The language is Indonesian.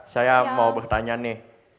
saya mau bertanya nih